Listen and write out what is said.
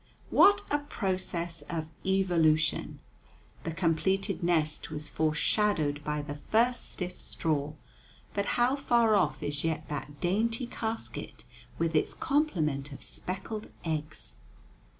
What a process of evolution! The completed nest was foreshadowed by the first stiff straw; but how far off is yet that dainty casket with its complement of speckled eggs!